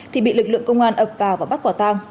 thì bị lực lượng công an ập vào và bắt quả tang